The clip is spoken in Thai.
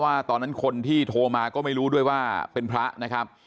ตอนนั้นคนที่โทรมาก็ไม่รู้ด้วยว่าเป็นพระนะครับ